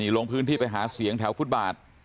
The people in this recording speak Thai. ลงพื้นที่ไปหาเสียงแถวฟุตบาท